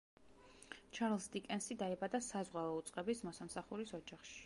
ჩარლზ დიკენსი დაიბადა საზღვაო უწყების მოსამსახურის ოჯახში.